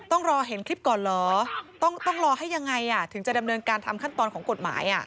ต้องรอเห็นคลิปก่อนเหรอต้องรอให้ยังไงถึงจะดำเนินการทำขั้นตอนของกฎหมาย